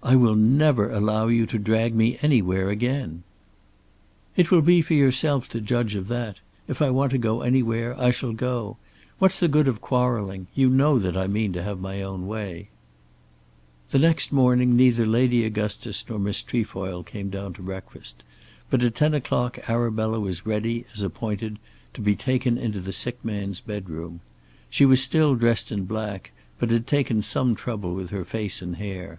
"I will never allow you to drag me anywhere again." "It will be for yourself to judge of that. If I want to go anywhere, I shall go. What's the good of quarrelling? You know that I mean to have my way." The next morning neither Lady Augustus nor Miss Trefoil came down to breakfast, but at ten o'clock Arabella was ready, as appointed, to be taken into the sick man's bedroom. She was still dressed in black but had taken some trouble with her face and hair.